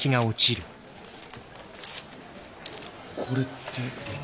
これって。